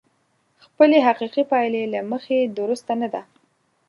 خپلې حقيقي پايلې له مخې درسته نه ده.